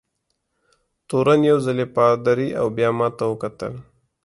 تورن یو ځلي پادري او بیا ما ته وکتل.